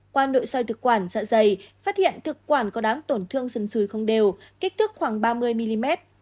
qua nội soi thực quản dạ dày phát hiện thực quản có đáng tổn thương dần dùi không đều kích thước khoảng ba mươi mm